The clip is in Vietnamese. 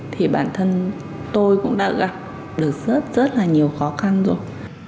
thì bản thân tôi cũng đã gặp được rất rất là nhiều khó khăn rồi